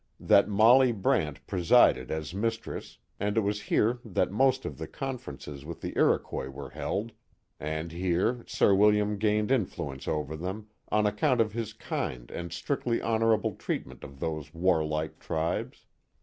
that Molly Brant presided as mistress and it was here that most of the confer ences with the Iroquois were held and here Sir William gained influence over them on account of his kind and strictly honorable treatment of those warlike tribes.